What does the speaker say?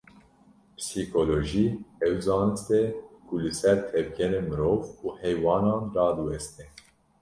Psîkolojî, ew zanist e ku li ser tevgerên mirov û heywanan radiweste